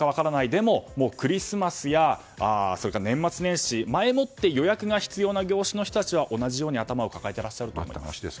でも、クリスマスや年末年始前もって予約が必要な業種の人たちは同じように頭を抱えてらっしゃると思います。